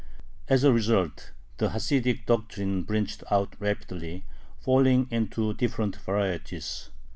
As a result, the Hasidic doctrine branched out rapidly, falling into different varieties.